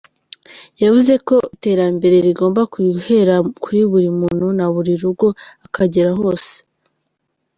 Yavuze ko iterambere rigomba guhera kuri buri muntu na buri rugo akagera hose.